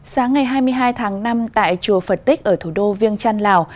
sáng ngày hai mươi hai tháng năm tại chùa phật tích ở thủ đô viên chanh lào